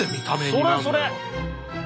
それそれ。